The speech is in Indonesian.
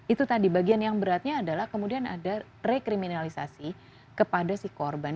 itu tadi bagian yang beratnya adalah kemudian ada rekriminalisasi kepada si korban